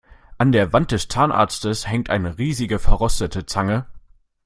An der Wand des Zahnarztes hängt eine riesige, verrostete Zange.